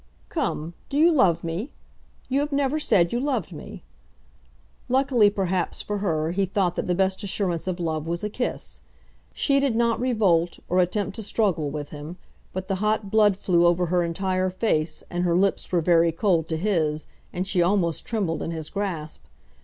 "Come; do you love me? You have never said you loved me." Luckily perhaps for her he thought that the best assurance of love was a kiss. She did not revolt, or attempt to struggle with him; but the hot blood flew over her entire face, and her lips were very cold to his, and she almost trembled in his grasp.